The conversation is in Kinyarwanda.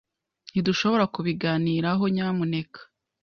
Ntidushobora kubiganiraho, nyamuneka?